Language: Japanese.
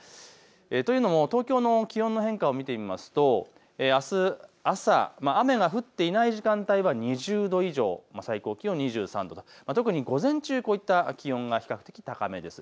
というのも東京の気温の変化を見てみるとあす朝雨が降っていない時間帯は２０度以上、最高気温２３度、特に午前中、こういった気温が比較的高めです。